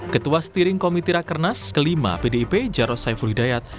ketua stiring komiti rakernas kelima pdip jaros saifuddayat